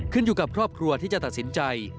อยู่กับครอบครัวที่จะตัดสินใจ